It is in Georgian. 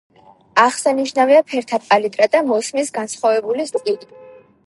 აღსანიშნავია ფერთა პალიტრა და მოსმის განსხვავებული სტილი.